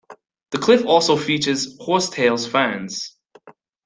The cliffs also feature Horsetails ferns.